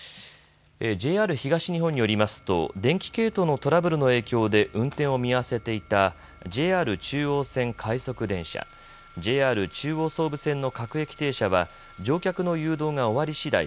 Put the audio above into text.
ＪＲ東日本によりますと電気系統のトラブルの影響で運転を見合わせていたＪＲ中央線快速電車、ＪＲ中央・総武線の各駅停車は乗客の誘導が終わりしだい